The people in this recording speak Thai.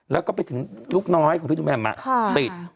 แล้วก็ไปถึงลูกน้อยของพี่หนุ่มแหม่มติด